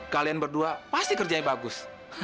kalian berdua pasti kerjanya bagus